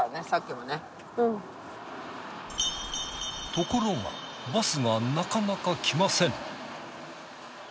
ところがバスがなかなか来ません。